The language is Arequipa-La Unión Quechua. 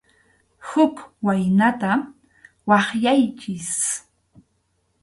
Huk waynata waqyaychik.